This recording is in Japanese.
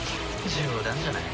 冗談じゃない。